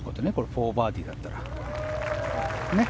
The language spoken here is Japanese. ４バーディーだったら。